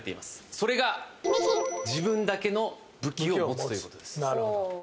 それが、自分だけの武器を持つという事です。